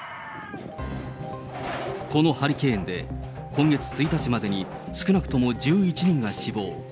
このハリケーンで、今月１日までに少なくとも１１人が死亡。